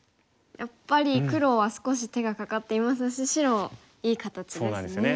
やっぱり黒は少し手がかかっていますし白いい形ですね。